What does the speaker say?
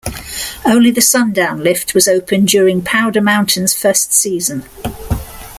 Only the Sundown lift was open during Powder Mountain's first season.